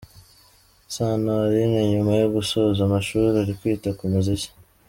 Sano Alyn nyuma yo gusoza amashuri ari kwita ku muziki.